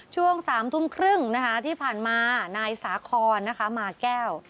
ช่วง๓ทุ่มครึ่งนะคะที่ผ่านมานายสาคอนนะคะมาแก้ว